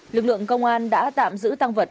lực lượng công an đã tạm giữ tăng vật